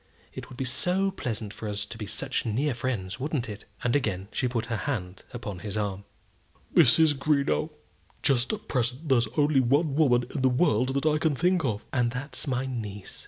It would be so pleasant for us to be such near friends; wouldn't it?" And again she put her hand upon his arm. "Mrs. Greenow, just at present there's only one woman in the world that I can think of." "And that's my niece."